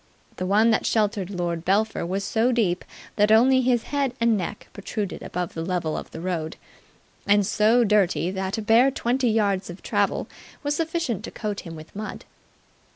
The one that sheltered Lord Belpher was so deep that only his head and neck protruded above the level of the road, and so dirty that a bare twenty yards of travel was sufficient to coat him with mud.